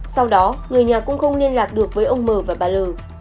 sau đó người nhà cũng không liên lạc được với ông m và bà l